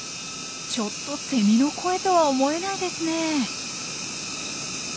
ちょっとセミの声とは思えないですねえ。